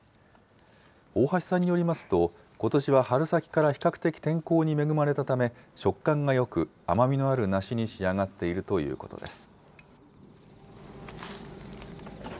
大橋さんによりますと、ことしは春先から比較的天候に恵まれたため、食感がよく、甘みのある梨に仕上がっているということです。